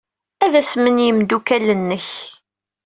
Ad asmen yimeddukal-nnek.